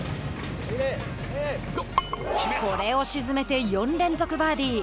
これを沈めて４連続バーディー。